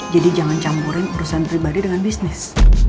jadi jangan campurin urusan pribadi dengan bisnis